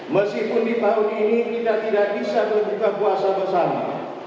mesih pun di pahun ini tidak tidak bisa berbuka kuasa bersama